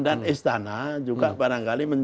dan istana juga barangkali menjelaskannya tidak langsung